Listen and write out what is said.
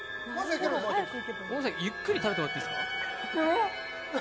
ゆっくり食べてもらっていいですか。